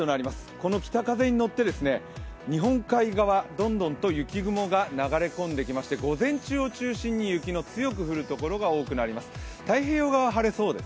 この北風に乗って日本海側、どんどんと雪雲が流れ込んできまして午前中を中心に雪の強く降る所が多くなりそうです。